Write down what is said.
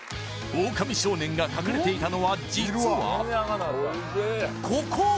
オオカミ少年が隠れていたのは実はここ！